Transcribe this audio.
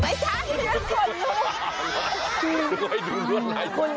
ไม่ใช่คุณฟิศาสตร์คือขนลุก